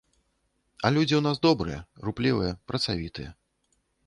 А людзі ў нас добрыя, руплівыя, працавітыя.